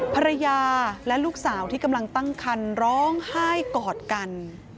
ภรรยาและลูกสาวที่กำลังตั้งคันร้องไห้กอดกัน